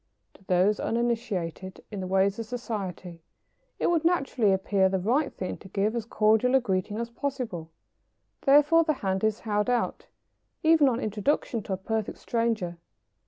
To those uninitiated in the ways of society, it would naturally appear the right thing to give as cordial a greeting as possible. Therefore the hand is held out, even on introduction to a perfect stranger.